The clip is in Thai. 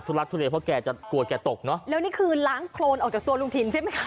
ลักทุเลเพราะแกจะกลัวแกตกเนอะแล้วนี่คือล้างโครนออกจากตัวลุงถิ่นใช่ไหมคะ